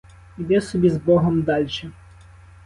Іди собі з богом дальше.